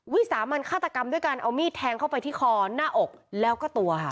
วิสามันฆาตกรรมด้วยการเอามีดแทงเข้าไปที่คอหน้าอกแล้วก็ตัวค่ะ